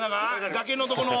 崖のとこの。